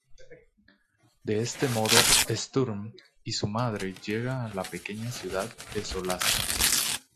De este modo Sturm y su madre llegan a la pequeña ciudad de Solace.